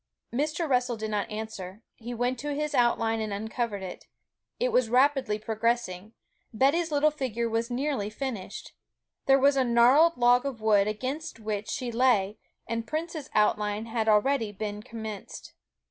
Mr. Russell did not answer; he went to his outline and uncovered it. It was rapidly progressing. Betty's little figure was nearly finished. There was the gnarled log of wood against which she lay; and Prince's outline had already been commenced.